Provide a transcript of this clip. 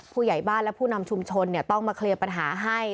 ผู้ใหญ่บ้านและผู้นำชุมชนต้องมาเคลียร์ปัญหาให้